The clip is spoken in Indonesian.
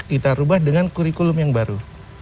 kita rubah dengan kurikulum yang baru